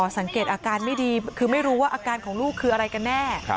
สังเกตอาการไม่ดีคือไม่รู้ว่าอาการของลูกคืออะไรกันแน่